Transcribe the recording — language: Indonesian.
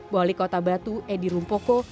wali kota batu edi rumpoko